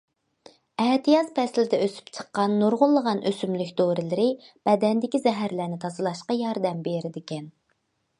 ئەتىياز پەسلىدە ئۆسۈپ چىققان نۇرغۇنلىغان ئۆسۈملۈك دورىلىرى بەدەندىكى زەھەرلەرنى تازىلاشقا ياردەم بېرىدىكەن.